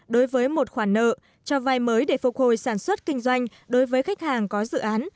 đối với một khoản nợ cho vai mới để phục hồi sản xuất kinh doanh đối với khách hàng có dự án